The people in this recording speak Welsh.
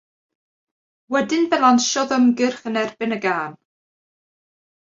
Wedyn fe lansiodd ymgyrch yn erbyn y Gân.